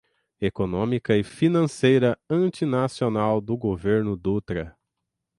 econômica e financeira antinacional do governo Dutra